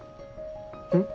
うん？